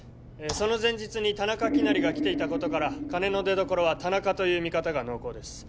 その前日に田中希也が来ていたことから金の出どころは田中という見方が濃厚です